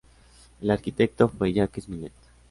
El arquitecto fue Jacques Millet.